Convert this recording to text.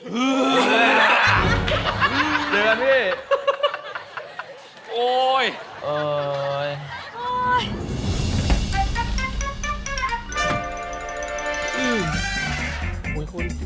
เดี๋ยวนะพี่